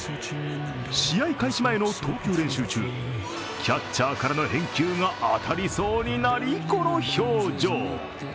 試合開始前の投球練習中キャッチャーからの返球が当たりそうになり、この表情。